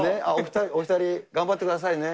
お２人、頑張ってくださいね。